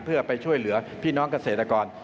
เพื่อไปช่วยเหลือพี่น้องเกษตรกร